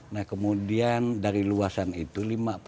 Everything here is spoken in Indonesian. nah kemudian dari luasan itu